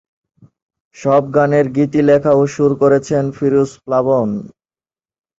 সব গানের গীতি লেখা ও সুর করেছেন ফিরোজ প্লাবন।